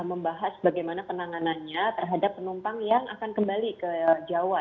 membahas bagaimana penanganannya terhadap penumpang yang akan kembali ke jawa